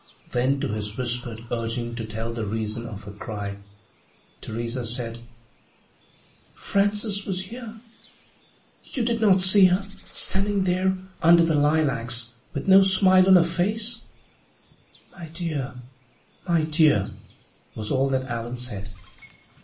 Then, to his whispered urging to tell the reason of her cry, Theresa said: "Frances was here. You did not see her, standing there, under the lilacs, with no smile on her face?" "My dear, my dear!" was all that Allan said.